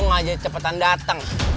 menghubung aja cepetan dateng